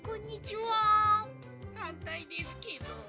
「はんたいですけど」。